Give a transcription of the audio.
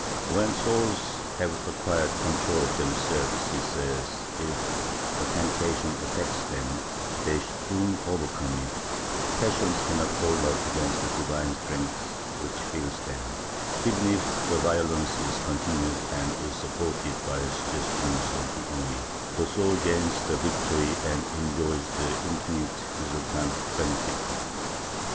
When souls have acquired control of themselves, he says, if a temp tation attacks them they soon overcome it; passions cannot hold out against the divine strength which fills them, even if the violence is continued and is supported by suggestions of the enemy; the soul gains the victory and enjoys the infinite resultant benefit.